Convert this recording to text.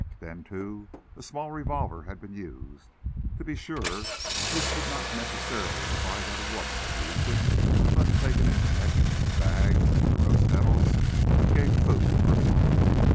Then, too, a small revolver had been used. To be sure, this did not necessarily imply that a woman had used it, but, taken in connection with the bag and the rose petals, it gave food for thought.